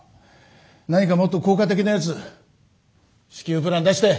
何かもっと効果的なやつ至急プラン出して。